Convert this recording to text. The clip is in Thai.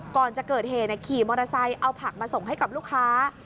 ก่อนจะเกิดเหตุขี่มอเตอร์ไซค์เอาผักมาส่งให้กับลูกค้า